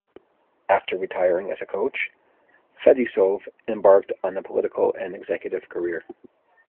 After retiring as a coach, Fetisov embarked on a political and executive career.